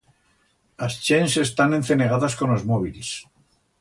As chents están encenegadas con os móbils.